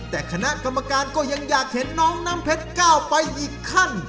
แต่คณะกรรมการก็ยังอยากเห็นน้องน้ำเพชรก้าวไปอีกขั้น